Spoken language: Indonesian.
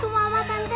itu mama tante